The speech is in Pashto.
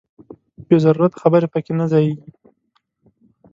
بې ضرورته خبرې پکې نه ځاییږي.